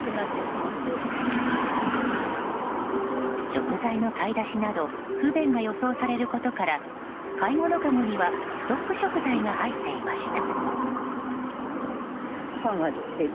食材の買い出しなど不便が予想されることから買い物かごにはストック食材が入っていました。